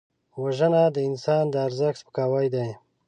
وژنه د انسان د ارزښت سپکاوی دی